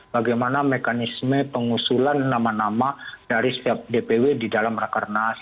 bagaimana mekanisme pengusulan nama nama dari setiap dpw di dalam rakernas